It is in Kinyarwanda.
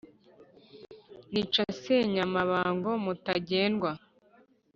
nica Senyamabango mu Butagendwa;